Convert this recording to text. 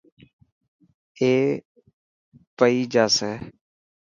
اي پئي جاسي.